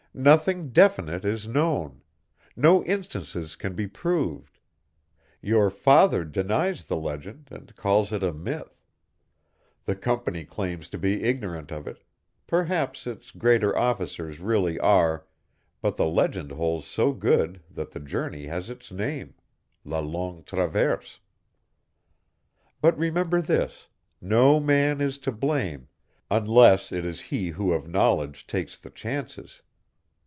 Nothing definite is known; no instances can be proved; your father denies the legend and calls it a myth. The Company claims to be ignorant of it, perhaps its greater officers really are, but the legend holds so good that the journey has its name la Longue Traverse. "But remember this, no man is to blame unless it is he who of knowledge takes the chances.